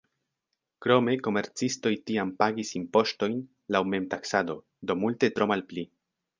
Krome komercistoj tiam pagis impoŝtojn laŭ memtaksado, do multe tro malpli.